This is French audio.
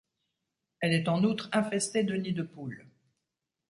Elle est en outre infestée de nids de poules.